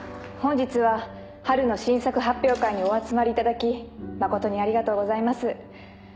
本日は春の新作発表会にお集まり頂き誠にありがとうございます。